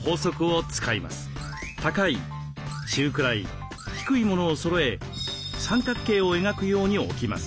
高い中くらい低いものをそろえ三角形を描くように置きます。